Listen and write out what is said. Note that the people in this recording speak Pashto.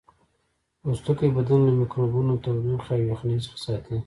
پوستکی بدن له میکروبونو تودوخې او یخنۍ څخه ساتي